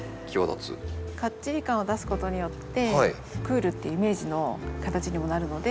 かっちり感を出すことによってクールっていうイメージの形にもなるので。